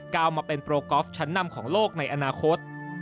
มาเป็นโปรกอล์ฟชั้นนำของโลกในอนาคต